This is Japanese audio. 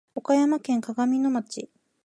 岡山県鏡野町